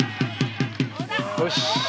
よし！